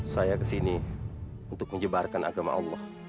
saya kesini untuk menyebarkan agama allah